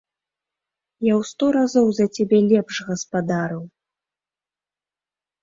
Я ў сто разоў за цябе лепш гаспадарыў!